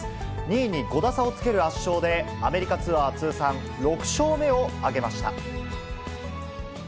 ２位に５打差をつける圧勝で、アメリカツアー通算６勝目を挙げました。